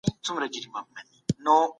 کوم هیواد غواړي ملي بودیجه نور هم پراخ کړي؟